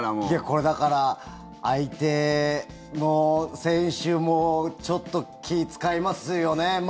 これ、だから相手の選手もちょっと気、使いますよね。